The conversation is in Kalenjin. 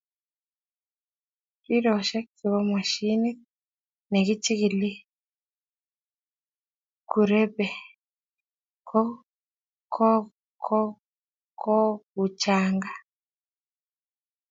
Riroshe che bo moshinit ne kichikilen kurebee ko kokuchang'a.